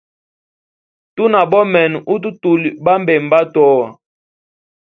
Tuna bomene, hutu tuli ba mbemba atoa.